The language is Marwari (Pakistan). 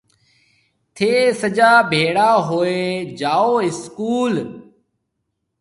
ٿَي سجا ڀيڙا هوئي جاو اسڪول